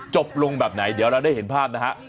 จบลงแบบไหนเดี๋ยวเราได้เห็นภาพนะฮะ